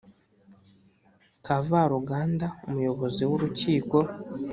Kavaruganda umuyobozi w Urukiko